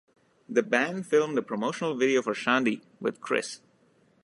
The band filmed a promotional video for "Shandi" with Criss.